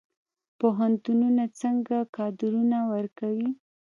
پوهنتونونه څنګه کادرونه ورکوي؟